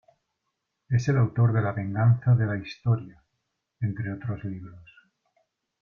Es el autor de "La venganza de la historia", entre otros libros.